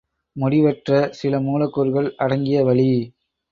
முடிவற்ற சில மூலக்கூறுகள் அடங்கிய வளி.